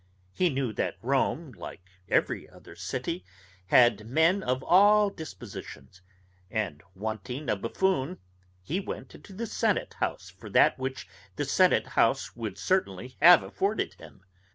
He knew that Rome, like every other city, had men of all dispositions; and wanting a buffoon, he went into the senate house for that which the senate house would certainly have afforded him.